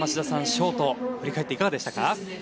ショートを振り返っていかがでしたか。